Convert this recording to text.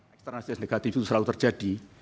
eksternaties negatif itu selalu terjadi